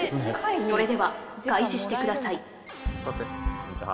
それでは開始してください。